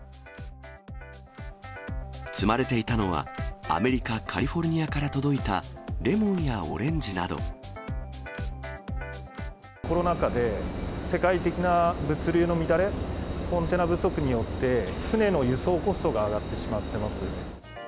積まれていたのはアメリカ・カリフォルニアから届いたレモンコロナ禍で、世界的な物流の乱れ、コンテナ不足によって、船の輸送コストが上がってしまってますね。